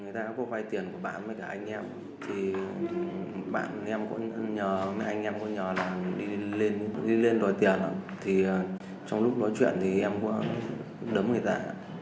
người ta có quay tiền của bạn với cả anh em thì bạn em cũng nhờ anh em cũng nhờ là đi lên đòi tiền thì trong lúc nói chuyện thì em cũng đấm người ta